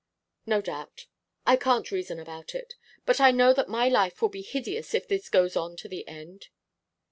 'No doubt. I can't reason about it. But I know that my life will be hideous if this goes on to the end.